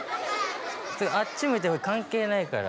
それあっち向いてホイ関係ないから。